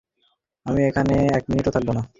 আমি এখানে এক মিনিটও থাকবো না।